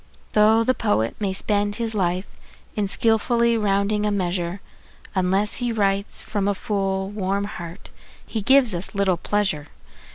Though the poet may spend his life in skilfully rounding a measure, Unless he writes from a full, warm heart he gives us little pleasure.